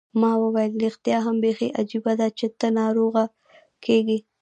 ما وویل: ریښتیا هم، بیخي عجبه ده، چي ته نه ناروغه کېږې.